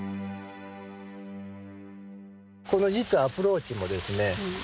この実はアプローチもですね